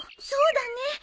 そうだね。